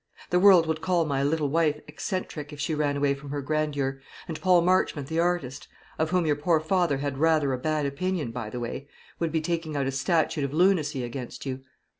The world would call my little wife eccentric, if she ran away from her grandeur; and Paul Marchmont the artist, of whom your poor father had rather a bad opinion, by the way, would be taking out a statute of lunacy against you."